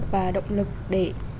và động lực để